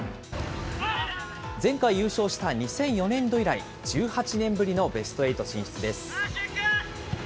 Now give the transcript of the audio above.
前回優勝した２００４年度以来、１８年ぶりのベスト８進出です。